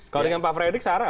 kalau dengan pak fredyk searah